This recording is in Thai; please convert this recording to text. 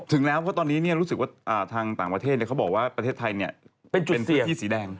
เพราะตอนนี้เนี่ยรู้สึกว่าทางต่างประเทศเนี่ยเขาบอกว่าประเทศไทยเนี่ยเป็นพื้นที่สีแดง